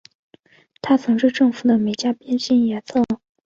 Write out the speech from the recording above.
他曾是政府的美加边境线测量远征队的一名助理天文学家。